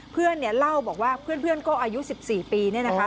เพื่อนเนี่ยเล่าบอกว่าเพื่อนก็อายุ๑๔ปีเนี่ยนะคะ